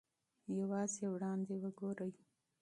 یوازې وړاندې وګورئ.